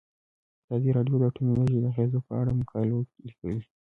ازادي راډیو د اټومي انرژي د اغیزو په اړه مقالو لیکلي.